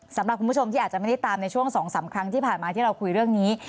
สำหรับคุณผู้ชมที่อาจจะไม่ได้ตามในช่วง๒๓ครั้งที่ผ่านมาที่เราคุยเรื่องนี้